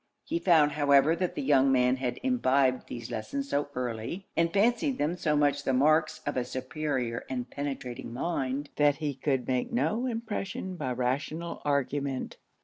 He found however that the young man had imbibed these lessons so early, and fancied them so much the marks of a superior and penetrating mind, that he could make no impression by rational argument.